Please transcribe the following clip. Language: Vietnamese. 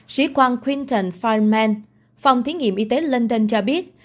sĩ quan quinton fireman phòng thí nghiệm y tế london cho biết